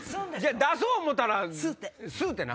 出そう思うたら。